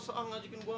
saya mau tidur